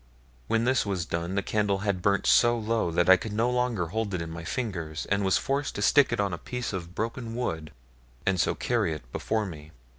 When this was done the candle had burnt so low, that I could no longer hold it in my fingers, and was forced to stick it on a piece of the broken wood, and so carry it before me.